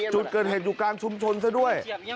จุดเกิดเหตุอยู่กลางชุมชนซะด้วย